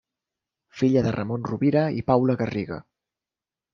Filla de Ramon Rovira i Paula Garriga.